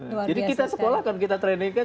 jadi kita sekolah kan kita training kan